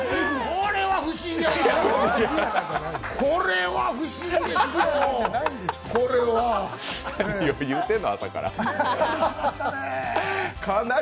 これは不思議やな。